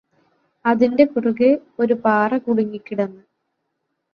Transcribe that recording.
അതിന്റെ കുറുകെ ഒരു പാറ കുടുങ്ങിക്കിടന്ന്